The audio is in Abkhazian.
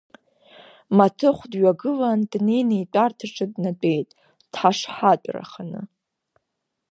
Маҭыхә дҩагылан, днеины итәарҭаҿы днатәеит дҳашҳатәараханы.